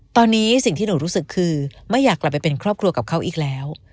ตอนนี้สิ่งที่หนูรู้สึกคือไม่อยากกลับไปเป็นครอบครัวกับเขาอีกแล้ว